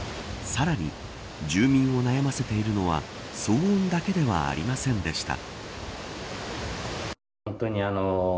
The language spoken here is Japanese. さらに住民を悩ませているのは騒音だけではありませんでした。